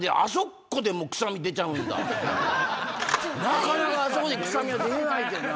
なかなかあそこでクサみは出ないけどな。